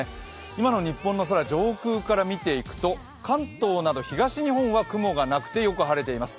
今の日本の空、上空から見ていくと関東など東日本は雲がなくてよく晴れています。